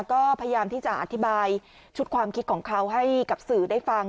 ก็พยายามที่จะอธิบายชุดความคิดของเขาให้กับสื่อได้ฟัง